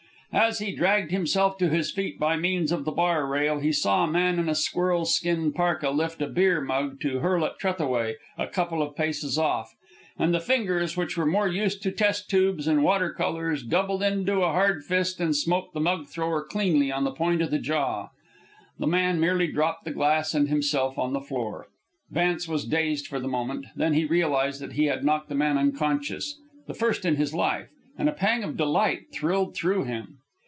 As he dragged himself to his feet by means of the bar rail, he saw a man in a squirrel skin parka lift a beer mug to hurl at Trethaway, a couple of paces off. And the fingers, which were more used to test tubes and water colors, doubled into a hard fist which smote the mug thrower cleanly on the point of the jaw. The man merely dropped the glass and himself on the floor. Vance was dazed for the moment, then he realized that he had knocked the man unconscious, the first in his life, and a pang of delight thrilled through him.